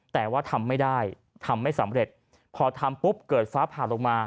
แต่ว่าทำไม่ได้ทำไม่สำเร็จพอทำปุ๊บเกิดฟ้าผ่าลงมา